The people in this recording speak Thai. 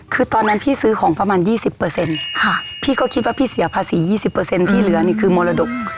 คือตอนนั้นพี่ซื้อของประมาณ๒๐พี่ก็คิดว่าพี่เสียภาษี๒๐ที่เหลือนี่คือมรดก